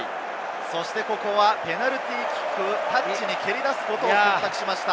ここはペナルティーキック、タッチに蹴り出すことを選択しました。